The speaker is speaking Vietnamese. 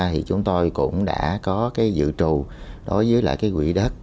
thì chúng tôi cũng đã có cái dự trù đối với lại cái quỹ đất